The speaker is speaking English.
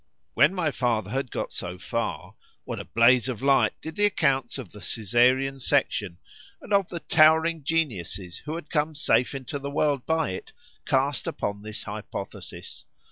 When my father had got so far,——what a blaze of light did the accounts of the Caesarian section, and of the towering geniuses who had come safe into the world by it, cast upon this hypothesis?